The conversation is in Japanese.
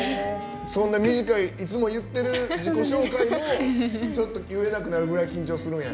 短いいつも言ってる自己紹介もちょっと言えなくなるくらい緊張するんや。